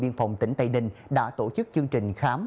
biên phòng tỉnh tây ninh đã tổ chức chương trình khám